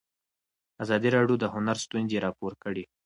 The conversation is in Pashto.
ازادي راډیو د هنر ستونزې راپور کړي.